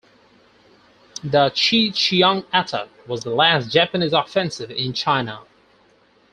The Chihchiang attack was the last Japanese offensive in China.